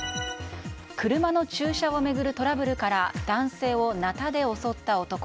車の駐車を巡るトラブルから男性をなたで襲った男。